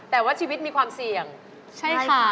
แต่ว่าชีวิตมีความเสี่ยงใช่ค่ะ